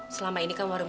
selama ini kan warung